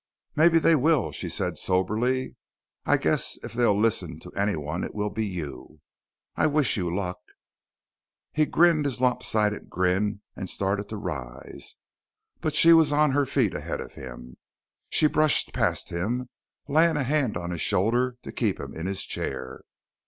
"Maybe they will," she said soberly. "I guess if they'll listen to anyone, it will be you. I wish you luck." He grinned his lopsided grin and started to rise, but she was on her feet ahead of him. She brushed past him, laying a hand on his shoulder to keep him in his chair.